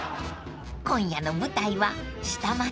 ［今夜の舞台は下町］